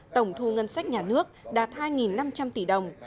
tổng thu ngân sách nhà nước đạt hai năm trăm linh tỷ đồng